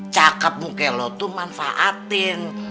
cakep muka lo tuh manfaatin